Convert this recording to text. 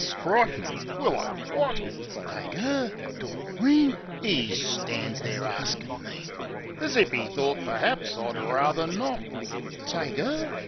O, strike me! Will I wot? Take 'er? Doceen? 'E stan's there arstin' me I As if 'e thort per'aps I'd rather not! Take 'er?